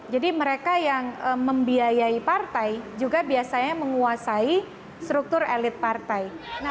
jadi mereka yang membiayai partai juga biasanya menguasai struktur elit partai